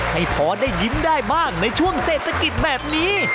ให้พอได้ยิ้มได้บ้างในช่วงเศรษฐกิจแบบนี้